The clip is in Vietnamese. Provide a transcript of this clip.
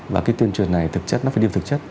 và cái tuyên truyền này thực chất nó phải đi thực chất